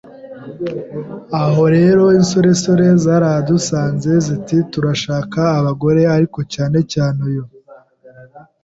aho rero insoresore zarahadusanze ziti turashaka abagore ariko cyane cyane uyu